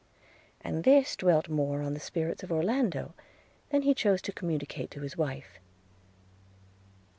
– And this dwelt more on the spirits of Orlando, than he chose to communicate to his wife.